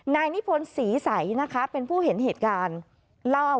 นายนิพนธ์ศรีใสนะคะเป็นผู้เห็นเหตุการณ์เล่า